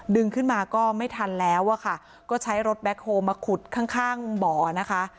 ดึงขึ้นมาก็ไม่ทันแล้วอะค่ะก็ใช้รถแบ็คโฮลมาขุดข้างข้างบ่อนะคะ